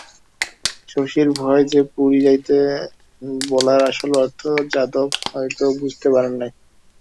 শশীর ভয় যে পুরী যাইতে বলার আসল অর্থ যাদব হয়তো বুঝতে পারেন নাই।